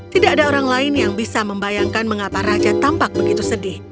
tidak ada orang lain yang bisa membayangkan mengapa raja tampak begitu sedih